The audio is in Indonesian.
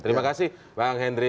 terima kasih bang hendri